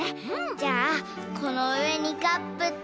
じゃあこのうえにカップと。